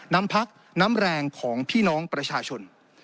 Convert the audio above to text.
น้ำพักน้ำแรงของพี่น้องประชาชน